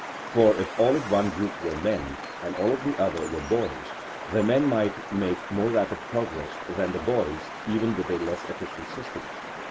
For if all of one group were men and all of the other were boys, the men might make more rapid progress than the boys even with a less efficient system.